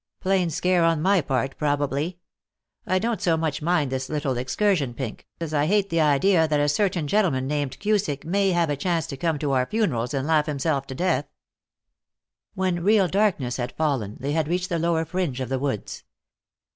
"Plain scare on my part, probably. I don't so much mind this little excursion, Pink, as I hate the idea that a certain gentleman named Cusick may have a chance to come to our funerals and laugh himself to death." When real darkness had fallen, they had reached the lower fringe of the woods.